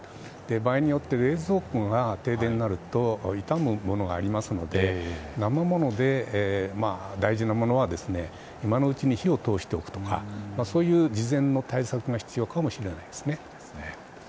場合によって冷蔵庫が停電になるといたむものがありますので生もので大事なものは今のうちに火を通しておくとかそういう事前の対策が必要かもしれません。